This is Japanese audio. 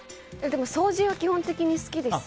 掃除は基本的に好きです。